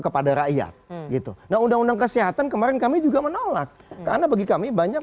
kepada rakyat gitu nah undang undang kesehatan kemarin kami juga menolak karena bagi kami banyak